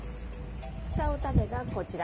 使うタネがこちら。